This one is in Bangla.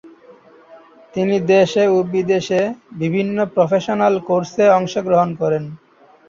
তিনি দেশে ও বিদেশে বিভিন্ন প্রফেশনাল কোর্সে অংশগ্রহণ করেন।